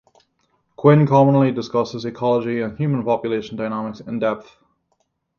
Quinn commonly discusses ecology and human population dynamics in-depth.